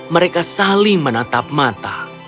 mereka saling menatap mata